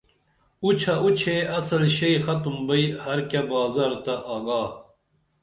اُچھہ اُچھے اصل شئی ختُم بئی ہر کیہ بازار تہ آگا